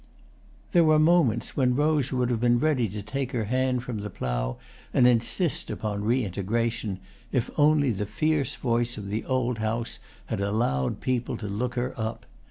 There were moments when Rose would have been ready to take her hand from the plough and insist upon reintegration, if only the fierce voice of the old house had allowed people to look her up.